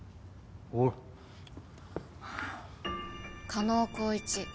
加納光一。